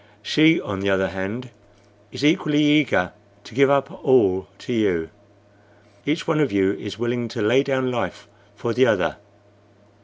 She, on the other hand, is equally eager to give up all to you. Each one of you is willing to lay down life for the other.